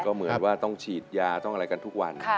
ก็เหมือนว่าต้องฉีดยาต้องอะไรกันทุกวัน